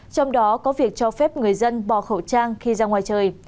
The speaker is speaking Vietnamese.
trong đó có việc cho phép người dân bỏ khẩu trang khi ra ngoài trời